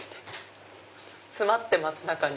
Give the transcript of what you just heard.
詰まってます中に。